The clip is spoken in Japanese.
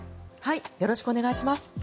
よろしくお願いします。